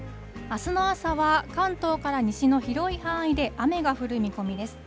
あすの朝は、関東から西の広い範囲で雨が降る見込みです。